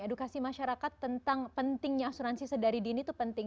edukasi masyarakat tentang pentingnya asuransi sedari dini itu penting